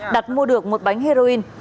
đặt mua được một bánh heroin